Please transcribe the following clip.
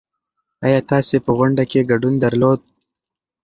ايا تاسې په غونډه کې ګډون درلود؟